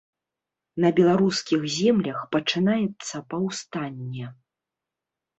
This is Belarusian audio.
На беларускіх землях пачынаецца паўстанне.